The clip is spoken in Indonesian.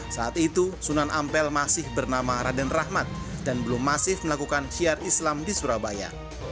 saat itu sunan ampel masih bernama raden rahmat dan belum masif melakukan syiar islam di surabaya